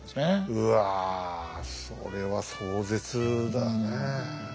うわそれは壮絶だねえ。